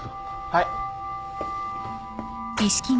はい。